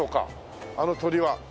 あの鳥は。